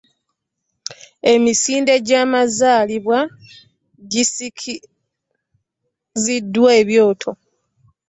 Emisinde gy'amazaalibwa gisikiziddwa ebyoto